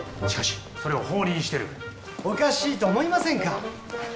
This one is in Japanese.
しかしそれを放任してるおかしいと思いませんか？